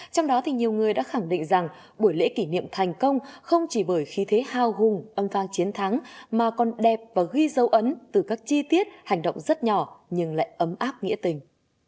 trong đó thì nhiều người đã khẳng định rằng buổi lễ kỷ niệm thành công không chỉ bởi khí thế hào hùng âm phang chiến thắng mà còn đẹp và ghi dấu ấn từ các chi tiết hành động rất nhỏ nhưng lại ấm áp nghĩa tình